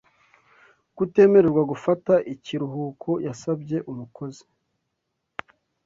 kutemererwa gufata ikiruhuko yasabye Umukozi